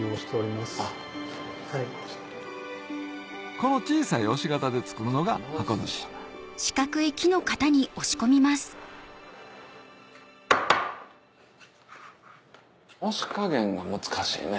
この小さい押し型で作るのが箱寿司押し加減が難しいね。